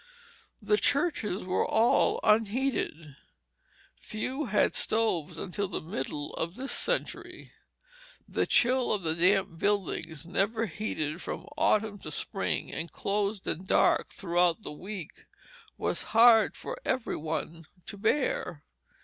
The churches were all unheated. Few had stoves until the middle of this century. The chill of the damp buildings, never heated from autumn to spring, and closed and dark throughout the week, was hard for every one to bear.